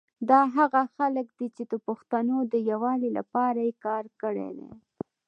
دا هغه خلګ دي چي د پښتونو د یوالي لپاره یي کار کړي دی